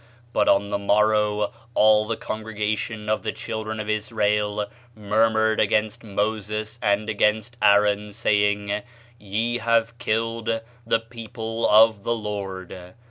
But on the morrow all the congregation of the children of Israel murmured against Moses and against Aaron, saying, Ye have killed the people of the Lord."